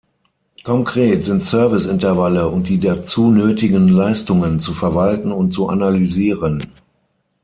Konkret sind Service-Intervalle und die dazu nötigen Leistungen zu verwalten und zu analysieren.